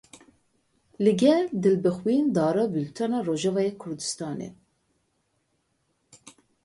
Li gel Dilbixwîn Dara Bultena Rojavayê Kurdistanê.